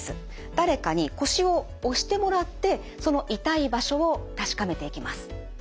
誰かに腰を押してもらってその痛い場所を確かめていきます。